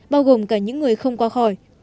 bao gồm cả những người không qua khỏi